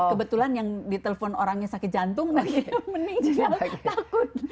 kebetulan yang di telpon orang yang sakit jantung nah kita mending takut